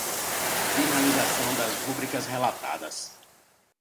Finalização das rubricas relatadas